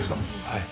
はい。